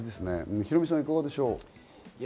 ヒロミさん、いかがでしょう？